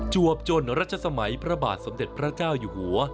วบจนรัชสมัยพระบาทสมเด็จพระเจ้าอยู่หัว